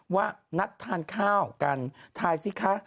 ว่านัดทานข้าวกันทายซี่คะ